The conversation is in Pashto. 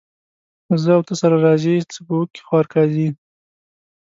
زه او ته سره راضي ، څه به وکي خوار قاضي.